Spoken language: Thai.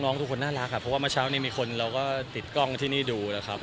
ทุกคนน่ารักครับเพราะว่าเมื่อเช้านี้มีคนเราก็ติดกล้องที่นี่ดูนะครับ